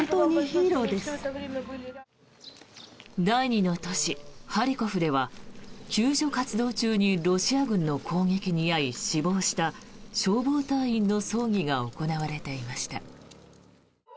第２の都市、ハリコフでは救助活動中にロシア軍の攻撃に遭い死亡した消防隊員の葬儀が行われていました。